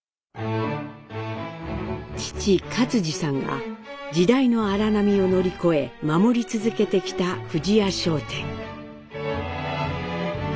父克爾さんが時代の荒波を乗り越え守り続けてきた富士屋商店。